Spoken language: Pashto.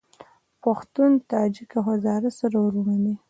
پښتون، تاجک او هزاره سره وروڼه دي